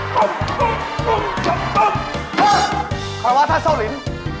ขอบความว่าถ้าเศร้าลิ้น